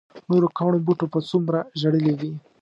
نورو کاڼو بوټو به څومره ژړلي وي.